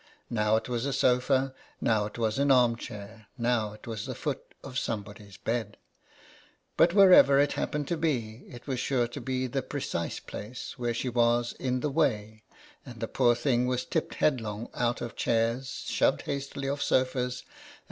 Now it was a sofa, now it was an arm chair, now it was the foot of somebody's bed. But wher ever it happened to be, it was sure to be the precise place where she was in the way, and the poor thing was tipped headlong out of chairs, shoved hastily off sofas, and INTRODUCTION.